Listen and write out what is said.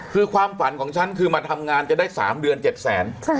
คือความฝันของฉันคือมาทำงานจะได้๓เดือน๗แสน